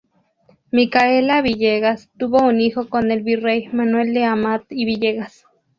Micaela Villegas tuvo un hijo con el virrey, Manuel de Amat y Villegas.